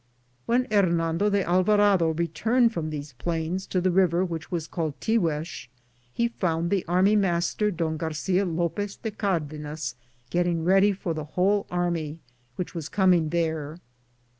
When Hernando de Alvarado returned from these plains to the river which was called Tiguex, he found the army master Don Garcia Lopez de Cardenas getting ready for the whole army, which was coming there.